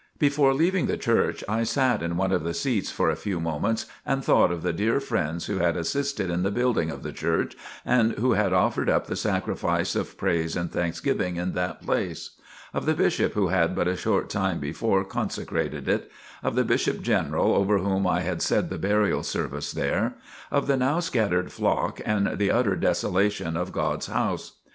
Before leaving the church I sat in one of the seats for a few moments and thought of the dear friends who had assisted in the building of the church, and who had offered up the sacrifice of praise and thanksgiving in that place; of the Bishop who had but a short time before consecrated it; of the Bishop General over whom I had said the burial service there; of the now scattered flock and the utter desolation of God's house.